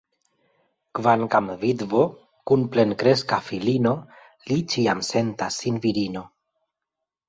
Kvankam vidvo, kun plenkreska filino, li ĉiam sentas sin virino.